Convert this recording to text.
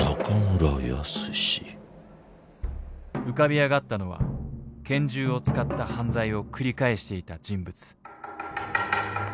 浮かび上がったのは拳銃を使った犯罪を繰り返していた人物。